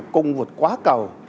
cung vụt quá cầu